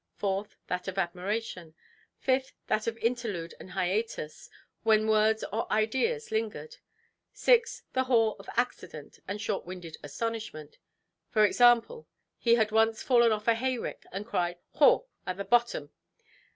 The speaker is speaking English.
Fourth, that of admiration. Fifth, that of interlude and hiatus, when words or ideas lingered. Sixth, the haw of accident and short–winded astonishment; e.g. he had once fallen off a hayrick, and cried "Haw"! at the bottom.